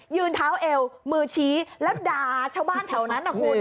เท้าเอวมือชี้แล้วด่าชาวบ้านแถวนั้นนะคุณ